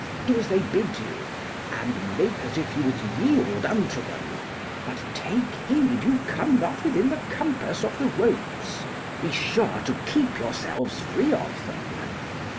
Do as they bid you, and make as if you would yield unto them, but take heed you come not within the compass of the ropes be sure to keep yourselves free of them.